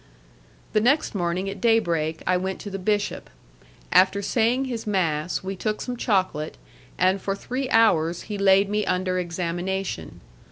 The next morning at day break I went to the bishop. After saying his mass, we took some chocolate, and for three hours he laid me under examination.